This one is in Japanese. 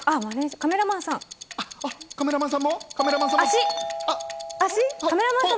カメラマンさん？